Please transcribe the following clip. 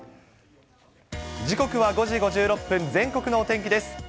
時刻は５時５６分、全国のお天気です。